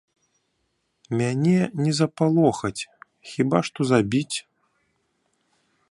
Мяне не запалохаць, хіба што забіць.